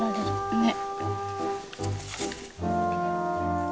ねっ。